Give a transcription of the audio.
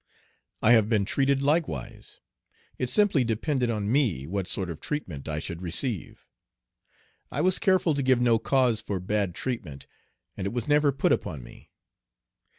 I have been treated likewise. It simply depended on me what sort of treatment I should receive. I was careful to give no cause for bad treatment, and it was never put upon me.